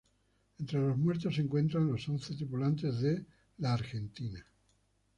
Entre los muertos se encontraban los once tripulantes de "La Argentina".